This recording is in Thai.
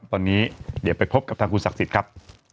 ตอนนี้เดี๋ยวไปพบกับทางคุณศักดิ์สิทธิ์ครับ